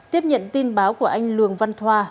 tiếp nhận tin báo của anh lường văn thoa